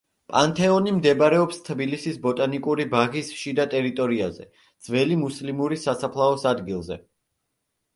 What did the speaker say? პანთეონი მდებარეობს თბილისის ბოტანიკური ბაღის შიდა ტერიტორიაზე, ძველი მუსლიმური სასაფლაოს ადგილზე.